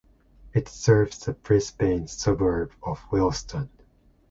It serves the Brisbane suburb of Wilston.